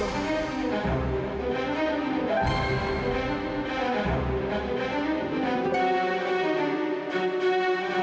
dan saya setuju beri d disso